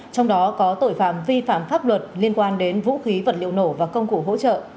trong đó có tội phạm vi phạm pháp luật liên quan đến vũ khí vật liệu nổ và công cụ hỗ trợ